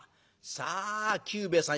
さあ久兵衛さん